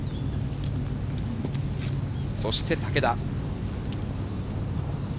そして竹田。